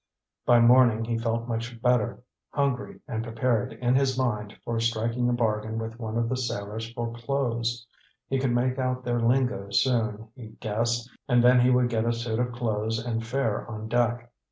By morning he felt much better, hungry, and prepared in his mind for striking a bargain with one of the sailors for clothes. He could make out their lingo soon, he guessed, and then he would get a suit of clothes and fare on deck.